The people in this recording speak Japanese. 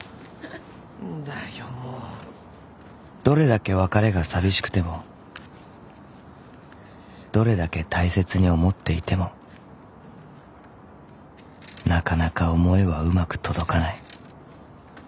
［どれだけ別れが寂しくてもどれだけ大切に思っていてもなかなか思いはうまく届かない］